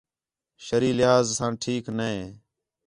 شرعی لحاظ ساں ٹھیک نے